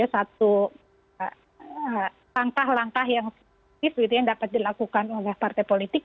satu langkah langkah yang dapat dilakukan oleh partai politik